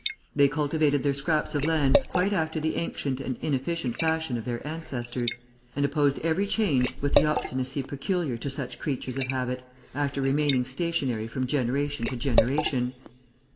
They cultivated their scraps of land quite after the ancient and inefficient fashion of their ancestors, and opposed every change with the obstinacy peculiar to such creatures of habit, after remaining stationary from generation to generation.